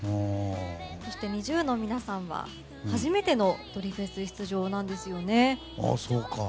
そしてＮｉｚｉＵの皆さんは初めての「ドリフェス」出場なんですよね。